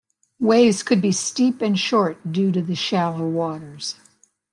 Waves could be steep and short due to the shallow waters.